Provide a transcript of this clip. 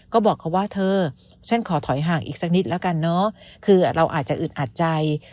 ก็บอกเขาว่าเธอฉันขอถอยห่างอีกสักนิดแล้วกันเนอะคือเราอาจจะอึดอัดใจ